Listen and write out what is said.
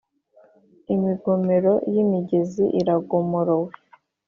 Imigomero y’imigezi iragomorowe